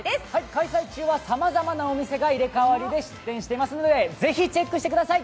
開催中はさまざまなお店が入れ替わりで出店していますので、ぜひチェックしてください。